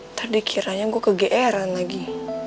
ntar dikiranya gue kegeeran lagi